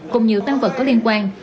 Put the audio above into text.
cùng nhiều tăng vật có liên quan